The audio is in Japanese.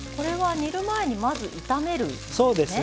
煮る前にまずは炒めるんですね。